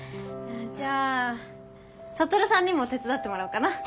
じゃあ羽さんにも手伝ってもらおうかな。